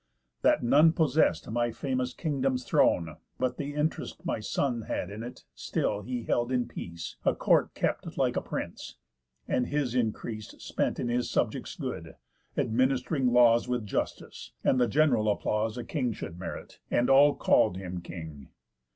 That none possest My famous kingdom's throne, but th' interest My son had in it still he held in peace, A court kept like a prince, and his increase Spent in his subjects' good, administ'ring laws With justice, and the general applause A king should merit, and all call'd him king.